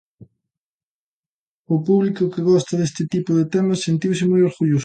O público que gosta deste tipo de temas sentiuse moi orgulloso.